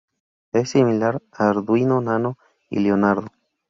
Es similar a Arduino Nano y Leonardo.